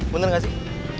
bener gak sih